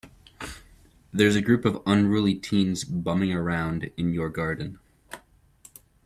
There's a group of unruly teens bumming around in your garden.